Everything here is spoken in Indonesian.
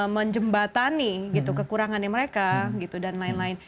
menjembatani gitu kekurangan yang mereka gitu dan lain lain